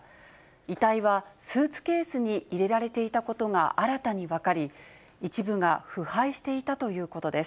遺体はスーツケースに入れられていたことが新たに分かり、一部が腐敗していたということです。